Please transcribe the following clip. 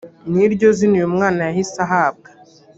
niryo zina uyu mwana yahise ahabwa